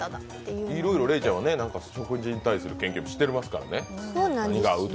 いろいろレイちゃんは食事に対する研究とかしてますからね。